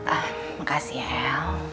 ah makasih el